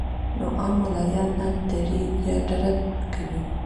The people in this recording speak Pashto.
نو عام ملايان ترې يا ډډه کوي